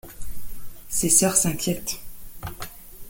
Ses sœurs s’inquiètent.